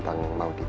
tentang mau gitu